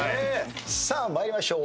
さあ参りましょう。